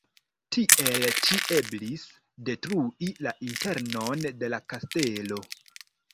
Tiel ĉi eblis detrui la internon de la kastelo.